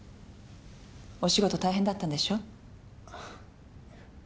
お仕事大変だったんでしょ？